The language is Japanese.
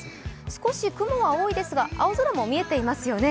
少し雲は多いですが、青空も見えていますよね。